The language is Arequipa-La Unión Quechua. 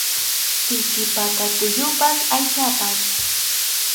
Siki pata tullupas aychapas.